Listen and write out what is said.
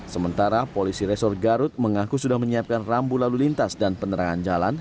sementara polisi resor garut mengaku sudah menyiapkan rambu lalu lintas dan penerangan jalan